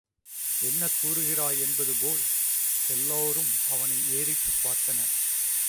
என்ன கூறுகிறாய் என்பது போல், எல்லோரும் அவனை ஏறிட்டுப் பார்த்தனர்.